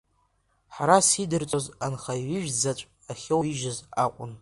Харас идырҵоз анхаҩ ижәзаҵә ахьоуижьыз акәын.